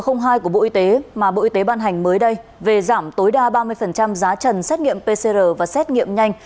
thông tư số hai của bộ y tế mà bộ y tế ban hành mới đây về giảm tối đa ba mươi giá trần xét nghiệm pcr và xét nghiệm nhanh